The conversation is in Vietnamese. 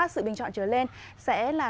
ba sự bình chọn trở lên sẽ là